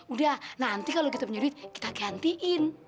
udah nanti kalau kita menyurit kita gantiin